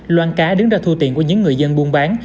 loan cá đứng ra thu tiền của những người dân buôn bán